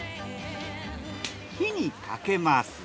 火にかけます。